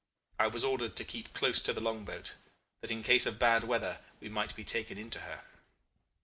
I was ordered to keep close to the long boat, that in case of bad weather we might be taken into her.